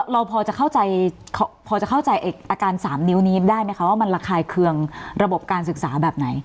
เราพอจะเข้าใจพอจะเข้าใจอาการ๓นิ้วนี้ได้ไหมคะว่ามันระคายเคืองระบบการศึกษาแบบไหน